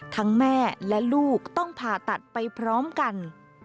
แม่และลูกต้องผ่าตัดไปพร้อมกัน